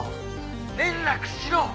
連絡しろ！